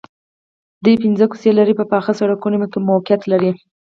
دوی پنځه کوڅې لرې په پاخه سړکونو کې موقعیت لري